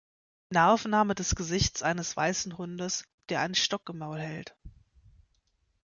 Nahaufnahme des Gesichts eines weißen Hundes, der einen Stock im Maul hält.